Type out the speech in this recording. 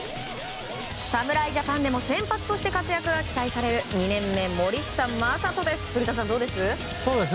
侍ジャパンでも先発として活躍が期待される２年目、森下暢仁です。